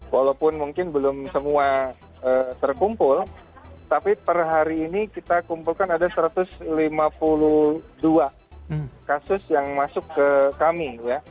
walaupun mungkin belum semua terkumpul tapi per hari ini kita kumpulkan ada satu ratus lima puluh dua kasus yang masuk ke kami